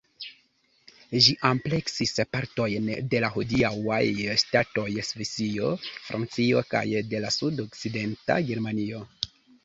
Ĝi ampleksis partojn de la hodiaŭaj ŝtatoj Svisio, Francio kaj de la sudokcidenta Germanio.